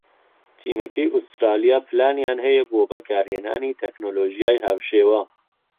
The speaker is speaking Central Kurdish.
تیمەکەی ئوسترالیا پلانیان هەیە بۆ بەکارهێنانی تەکنۆلۆژیای هاوشێوە